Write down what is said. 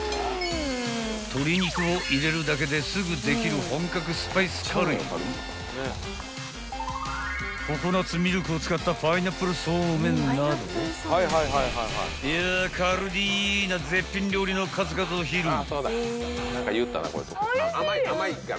［鶏肉を入れるだけですぐできる本格スパイスカレーにココナツミルクを使ったパイナップルそうめんなどいやカルディな絶品料理の数々を披露］